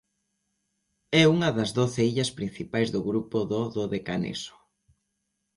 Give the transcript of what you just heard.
É unha das doce illas principais do grupo do Dodecaneso.